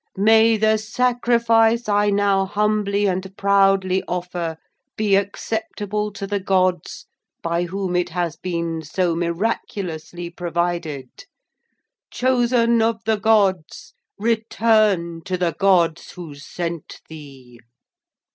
May the sacrifice I now humbly and proudly offer be acceptable to the gods by whom it has been so miraculously provided. Chosen of the Gods! return to the gods who sent thee!'